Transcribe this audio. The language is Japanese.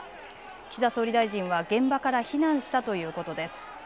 岸田総理大臣は現場から避難したということです。